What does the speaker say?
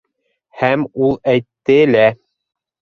Һәм ул әйтте лә: